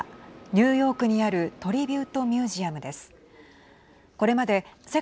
ニューヨークにあるトリビュート・ミュージアムです。